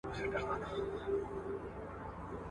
د روغتیايي چارواکو په وینا، دا وبا به ډېر ژر پای ته ورسېږي.